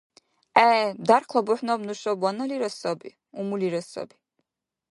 – ГӀе. Дярхъла бухӀнаб нушаб ваналира саби, умулира саби.